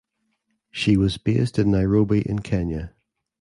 She was based in Nairobi in Kenya.